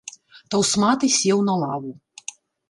Таўсматы сеў на лаву.